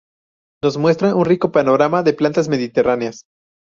Nos muestra un rico panorama de plantas mediterráneas.